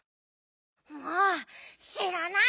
もうしらない！